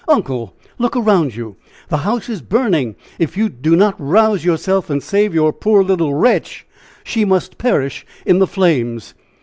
"Uncle, look around you! The house is burning! if you do not rouse yourself and save your poor little 'wretch,' she must perish in the flames!"